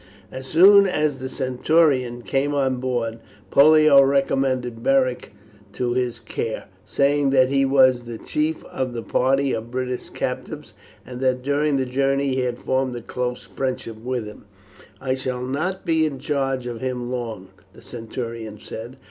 As soon as the centurion came on board Pollio recommended Beric to his care, saying that he was the chief of the party of British captives, and that during the journey he had formed a close friendship with him. "I shall not be in charge of him long," the centurion said.